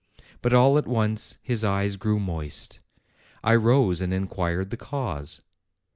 But all at once his eyes grew moist. I rose and inquired the cause.